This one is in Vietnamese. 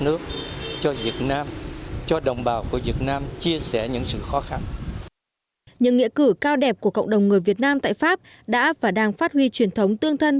những nghĩa cử cao đẹp của cộng đồng người việt nam tại pháp đã và đang phát huy truyền thống tương thân